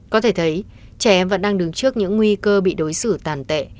có thể thấy trẻ em vẫn đang đứng trước những nguy cơ bị đối xử tàn tệ